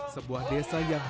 sebuah desa yang mampu